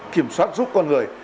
kiểm soát giúp con người